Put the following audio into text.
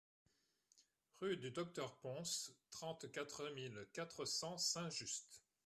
Rue du Docteur Pons, trente-quatre mille quatre cents Saint-Just